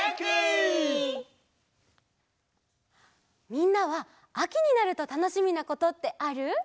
みんなはあきになるとたのしみなことってある？